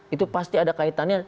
itu pasti ada kaitannya